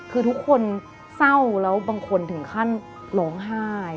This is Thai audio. คือทุกคนเศร้าแล้วบางคนถึงขั้นร้องไห้